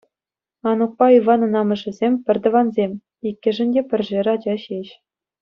Анукпа Иванӑн амӑшӗсем — пӗртӑвансем, иккӗшӗн те пӗршер ача ҫеҫ.